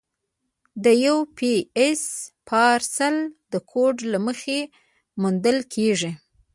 د یو پي ایس پارسل د کوډ له مخې موندل کېږي.